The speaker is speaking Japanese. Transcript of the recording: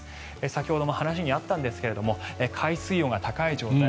先ほども話にあったんですが海水温が高い状態